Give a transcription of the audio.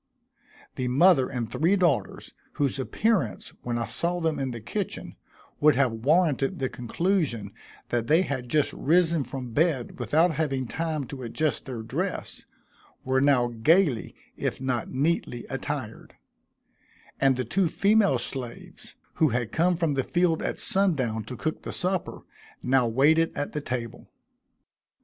The mother and three daughters, whose appearance, when I saw them in the kitchen, would have warranted the conclusion that they had just risen from bed without having time to adjust their dress, were now gaily, if not neatly attired; and the two female slaves, who had come from the field at sundown to cook the supper, now waited at the table.